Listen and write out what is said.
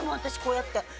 私こうやって。